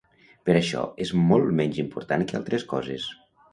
Però això és molt menys important que altres coses.